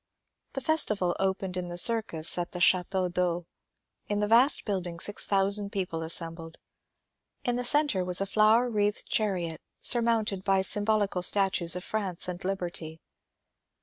The festival opened in the circus at the Chateau d'Eau. In the vast building six thousand people assembled. In the centre was a flower wreathed chariot surmounted by symbol ical statues of France and Liberty.